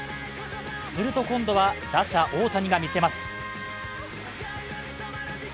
すると今度は、打者・大谷が見せます。